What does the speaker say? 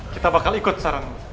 kita bakal ikut saran lo